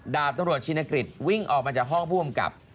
ดาบตำรวจชินกฤษวิ่งออกมาจากห้องผู้อำกับ